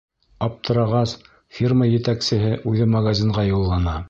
Аптырағас, фирма етәксеһе үҙе магазинға юллана.